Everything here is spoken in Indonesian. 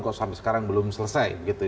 kok sampai sekarang belum selesai